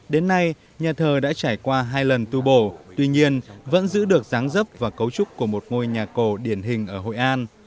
đến nay nhà thờ đã trải qua hai lần tu bổ tuy nhiên vẫn giữ được dáng dấp và cấu trúc của một ngôi nhà cổ điển hình ở hội an